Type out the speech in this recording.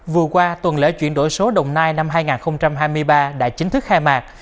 vừa qua tuần lễ chuyển đổi số đồng nai năm hai nghìn hai mươi ba đã chính thức khai mạc